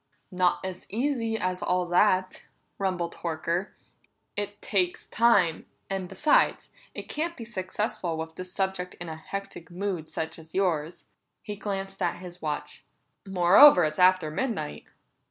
"Not as easy as all that!" rumbled Horker. "It takes time; and besides, it can't be successful with the subject in a hectic mood such as yours." He glanced at his watch. "Moreover, it's after midnight."